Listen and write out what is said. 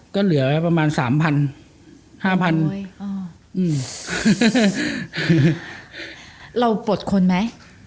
ก็เหลือประมาณสามพันห้าพันอ๋ออืมเราปลดคนไหม